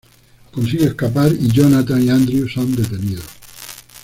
Consigue escapar y Jonathan y Andrew son detenidos.